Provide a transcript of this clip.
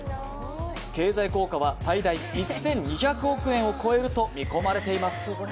経済効果は最大１２００億円を超えると見込まれています。